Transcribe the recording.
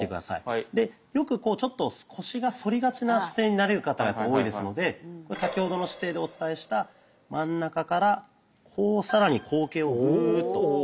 でよくこうちょっと腰が反りがちな姿勢になる方が多いですので先ほどの姿勢でお伝えした真ん中からこう更に後傾をグッと入れて頂く形です。